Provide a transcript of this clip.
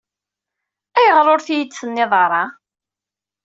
Ayɣeṛ ur-t-iyi-d tenniḍ ara?